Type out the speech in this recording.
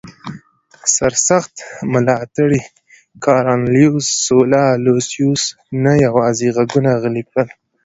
سرسخت ملاتړي کارنلیوس سولا لوسیوس نه یوازې غږونه غلي کړل